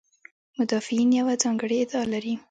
مدافعین یوه ځانګړې ادعا لري.